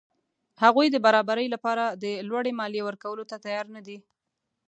هغوی د برابرۍ له پاره د لوړې مالیې ورکولو ته تیار نه دي.